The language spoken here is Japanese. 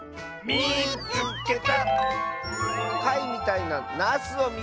「みいつけた！」。